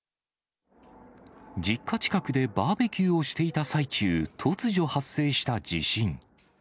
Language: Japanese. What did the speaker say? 実家近くでバーベキューをしていた最中、突如発生した地震。